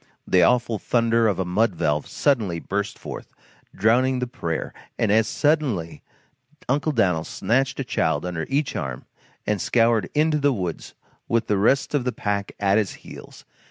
The awful thunder of a mud valve suddenly burst forth, drowning the prayer, and as suddenly Uncle Dan'l snatched a child under each arm and scoured into the woods with the rest of the pack at his heels.